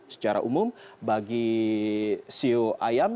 secara umum bagi siu ayam